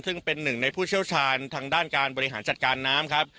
ซึ่งเป็นหนึ่งในผู้เชี่ยวชาญทางด้านการบริหารจัดการน้ำครับ